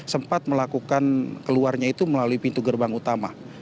sempat melakukan keluarnya itu melalui pintu gerbang utama